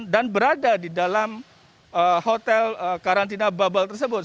dan berada di dalam hotel karantina bubble tersebut